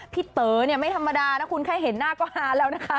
เต๋อเนี่ยไม่ธรรมดานะคุณแค่เห็นหน้าก็ฮาแล้วนะคะ